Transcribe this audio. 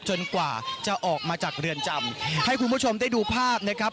กว่าจะออกมาจากเรือนจำให้คุณผู้ชมได้ดูภาพนะครับ